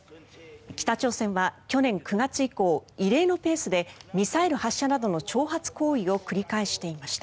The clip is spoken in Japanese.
北朝鮮は去年９月以降異例のペースでミサイル発射などの挑発行為を繰り返していました。